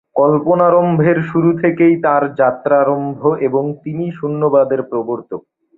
কল্পারম্ভের শুরু থেকেই তাঁর যাত্রারম্ভ এবং তিনিই শূন্যবাদের প্রবর্তক।